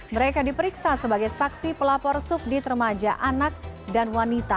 mereka diperiksa sebagai saksi pelapor subdit remaja anak dan wanita